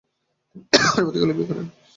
তিনি পরবর্তীকালে বিয়ে করেন।